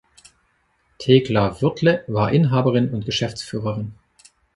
Thekla Würthle war Inhaberin und Geschäftsführerin.